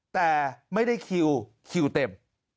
แต่ไม่ได้คิวเคลียร์เต็ม